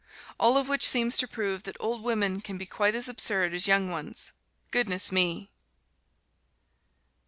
All of which seems to prove that old women can be quite as absurd as young ones goodness me!